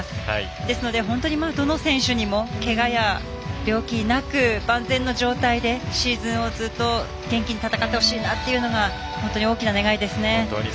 ですので、本当にどの選手にもけがや病気なく万全の状態でシーズンをずっと元気に戦ってほしいなというのが本当に大きな願いですね。